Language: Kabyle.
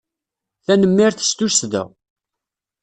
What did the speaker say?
Tanemmirt s tussda.